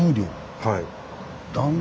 はい。